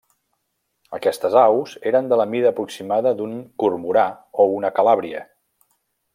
Aquestes aus eren de la mida aproximada d'un cormorà o una calàbria.